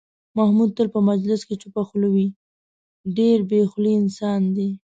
محمود تل په مجلس کې چوپه خوله وي، ډېر بې خولې انسان دی.